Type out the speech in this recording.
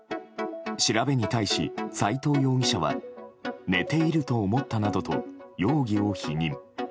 調べに対し、斎藤容疑者は寝ていると思ったなどと容疑を否認。